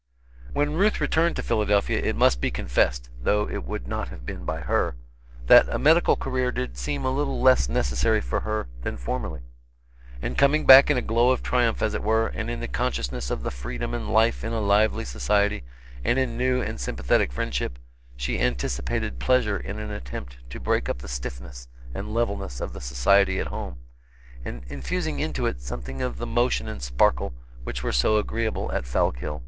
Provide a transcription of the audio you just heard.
When Ruth returned to Philadelphia, it must be confessed though it would not have been by her that a medical career did seem a little less necessary for her than formerly; and coming back in a glow of triumph, as it were, and in the consciousness of the freedom and life in a lively society and in new and sympathetic friendship, she anticipated pleasure in an attempt to break up the stiffness and levelness of the society at home, and infusing into it something of the motion and sparkle which were so agreeable at Fallkill.